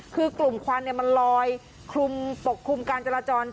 คือกลุ่มควันมันลอยคลุมปกคลุมการจราจร